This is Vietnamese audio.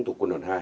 tục quân hồn hai